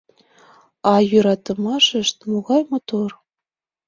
А йӧратымашышт могай мотор!